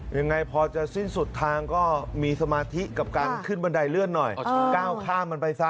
ยังไงพอจะสิ้นสุดทางก็มีสมาธิกับการขึ้นบันไดเลื่อนหน่อยก้าวข้ามมันไปซะ